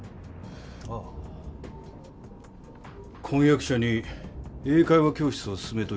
あぁ婚約者に英会話教室を勧めておいたらどうだ？